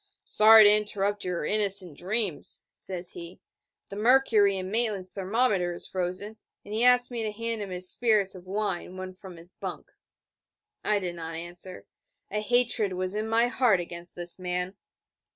'Sorry to interrupt your innocent dreams, says he: 'the mercury in Maitland's thermometer is frozen, and he asked me to hand him his spirits of wine one from his bunk...' I did not answer. A hatred was in my heart against this man.